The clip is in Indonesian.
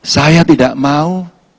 saya tidak mau